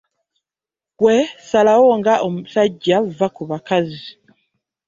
Ggwe salawo nga musajja vva ku bakazi.